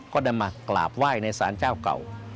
ก็ได้มากราบไหว้ในสารเจ้าเก่า